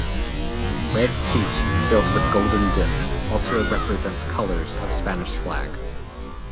Red "C" filled with golden disc also represents colors of Spanish flag.